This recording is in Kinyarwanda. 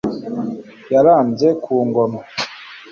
yarambye ku ngoma